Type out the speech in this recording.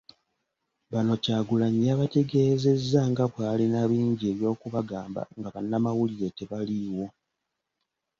Bano Kyagulanyi yabategeezezza nga bwalina bingi eby'okubagamba nga bannamawulire tebaliiwo.